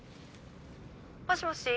☎「もしもし？